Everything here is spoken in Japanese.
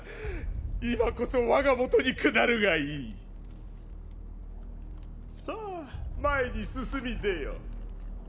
今こそわがもとに下るがいいさあ前に進み出よ∈